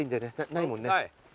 ないもんね。